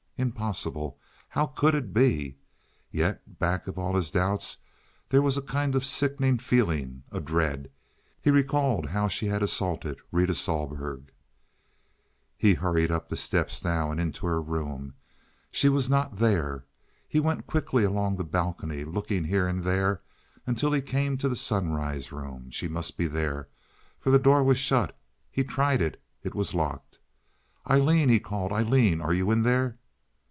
Impossible! How could it be? Yet back of all his doubts there was a kind of sickening feeling, a dread. He recalled how she had assaulted Rita Sohlberg. He hurried up the steps now and into her room. She was not there. He went quickly along the balcony, looking here and there, until he came to the sunrise room. She must be there, for the door was shut. He tried it—it was locked. "Aileen," he called. "Aileen! Are you in there?"